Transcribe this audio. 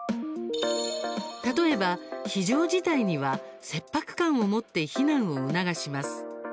例えば、非常事態には切迫感を持って避難を促します。